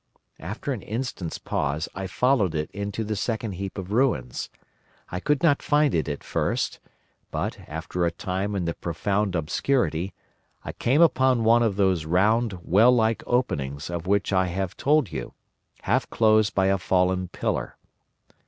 After an instant's pause I followed it into the second heap of ruins. I could not find it at first; but, after a time in the profound obscurity, I came upon one of those round well like openings of which I have told you, half closed by a fallen pillar.